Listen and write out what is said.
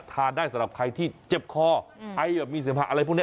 ทานได้สำหรับใครที่เจ็บคอไอ้แบบมีเสียงภาคอะไรพวกเนี้ย